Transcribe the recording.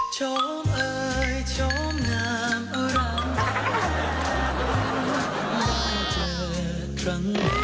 ชมเอ่ยชมน้ำรังเทียม